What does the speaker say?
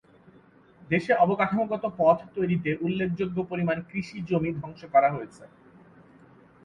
দেশে অবকাঠামোগত পথ তৈরিতে উল্লেখযোগ্য পরিমাণ কৃষিজমি ধ্বংস করা হয়েছে।